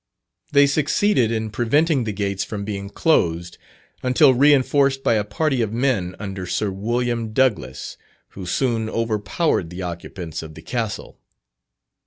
They succeeded in preventing the gates from being closed, until reinforced by a party of men under Sir Wm. Douglas, who soon overpowered the occupants of the Castle.